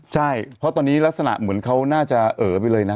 ใช่เพราะตอนนี้ลักษณะเหมือนเขาน่าจะเอ๋อไปเลยนะ